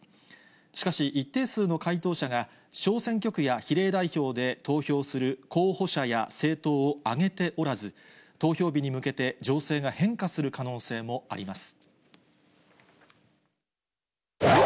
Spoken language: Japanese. しかし、一定数の回答者が、小選挙区や比例代表で投票する候補者や政党を挙げておらず、投票日に向けて情勢が変化する可能性もあります。